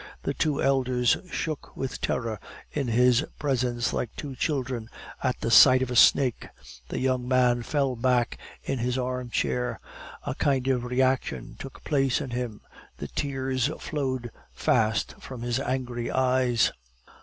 The two elders shook with terror in his presence like two children at the sight of a snake. The young man fell back in his armchair, a kind of reaction took place in him, the tears flowed fast from his angry eyes.